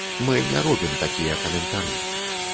Мы не робім такія каментары.